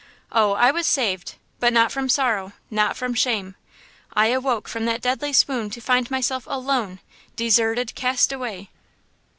"Oh, I was saved, but not from sorrow–not from shame! I awoke from that deadly swoon to find myself alone, deserted, cast away!